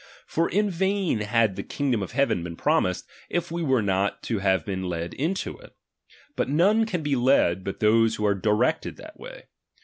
For itt vain had the kingdom of heaven been promised, if we were not to have been led into it ; but none can be led, but those who are directed in the way.